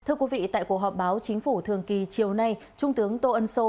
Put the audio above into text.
thưa quý vị tại cuộc họp báo chính phủ thường kỳ chiều nay trung tướng tô ân sô